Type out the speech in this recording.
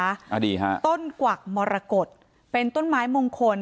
อดีตฮะต้นกวักมรกฏเป็นต้นไม้มงคล